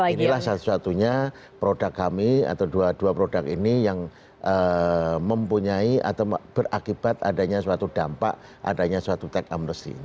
inilah satu satunya produk kami atau dua produk ini yang mempunyai atau berakibat adanya suatu dampak adanya suatu tech amnesty